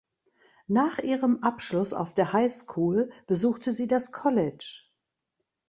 Nach ihrem Abschluss auf der High School besuchte sie das College.